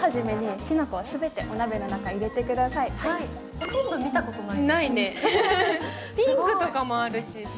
ほとんど見たことない。